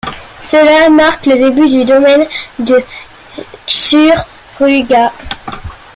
Cela marque le début du domaine de Tsuruga.